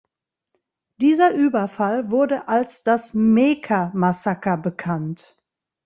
Dieser Überfall wurde als das „Meeker-Massaker“ bekannt.